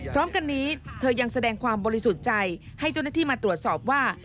พร้อมกันนี้เธอยังแสดงความบริสุทธิ์ใจให้เจ้าหน้าที่มาตรวจสอบว่า